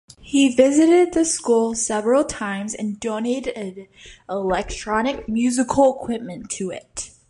He visited the school several times and donated electronic musical equipment to it.